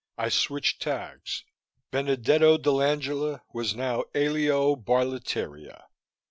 I switched tags: Benedetto dell'Angela was now Elio Barletteria.